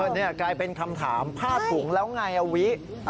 นี่กลายเป็นคำถามผ้าถุงแล้วไงวิ